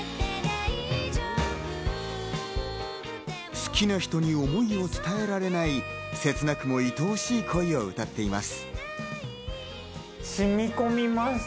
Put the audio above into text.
好きな人に思いを伝えられない、切なくも愛おしい恋の歌っています。